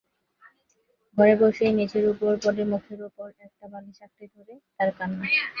ঘরে এসেই মেঝের উপর পড়ে মুখের উপর একটা বালিশ আঁকড়ে ধরে তার কান্না।